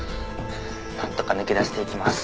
なんとか抜け出して行きます。